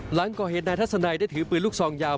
หลังก่อเหตุนายทัศนัยได้ถือปืนลูกซองยาว